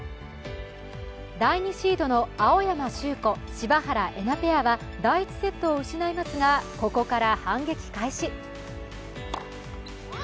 第２シードの青山修子・柴原瑛菜ペアは第１セットを失いますが、ここから反撃開始。